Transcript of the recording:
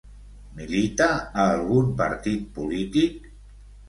Milita a algun partit polític?